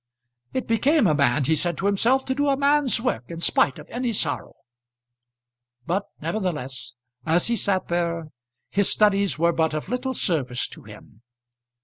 It became a man, he said to himself, to do a man's work in spite of any sorrow. But, nevertheless, as he sat there, his studies were but of little service to him.